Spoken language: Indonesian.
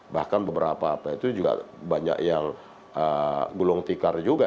bahkan beberapa apa itu juga banyak yang gulung tikar juga